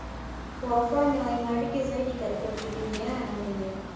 Huwafanya waimarike zaidi katika kutegemeana wenyewe